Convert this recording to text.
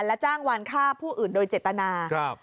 และจ้างวานฆ่าผู้อื่นโดยเจตนา